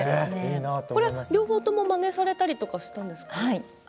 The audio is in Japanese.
これは両方ともまねされたりされたんですか。